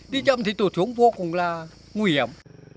đi chậm thì tụt xuống vô cùng là nguy hiểm